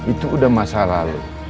itu udah masa lalu